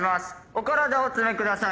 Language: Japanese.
お体お詰めください。